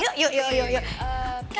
yuk yuk yuk yuk